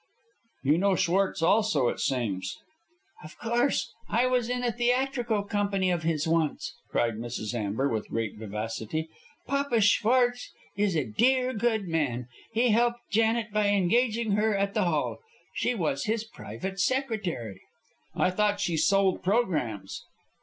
"You know Schwartz also, it seems." "Of course. I was in a theatrical company of his once," cried Mrs. Amber, with great vivacity. "Papa Schwartz is a dear, good man. He helped Janet by engaging her at the hall. She was his private secretary." "I thought she sold programmes?"